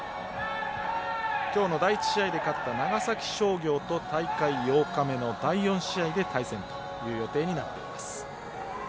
きょうの第１試合で勝った長崎商業と大会８日目の第４試合で対戦という予定になっています。